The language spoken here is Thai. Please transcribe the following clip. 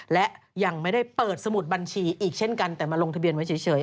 และยังไม่ได้เปิดสมุดบัญชีอีกเช่นกันแต่มาลงทะเบียนไว้เฉย